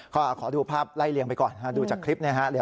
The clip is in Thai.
ก็ขอดูภาพไล่เลียงไปก่อนดูจากคลิปนะฮะ